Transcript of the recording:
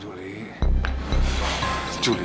juli angkat dong juli